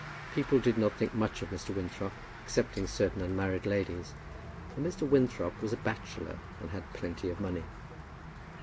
People did not think much of Mr. Winthrop, excepting certain unmarried ladies; for Mr. Winthrop was a bachelor, and had plenty of money.